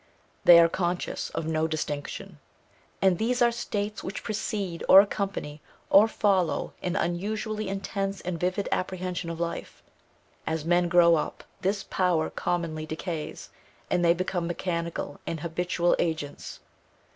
They are conscious of no distinction. And these are states which precede, or accompany, or follow an unusually intense and vivid apprehension of life. As men grow up this power commonly decays, and they become mechanical and habitual agents.